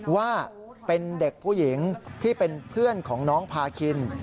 ว่าเป็นเด็กผู้หญิงที่เป็นเพื่อนของน้องพาคิน